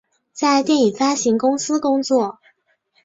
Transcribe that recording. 在电影发行公司工作。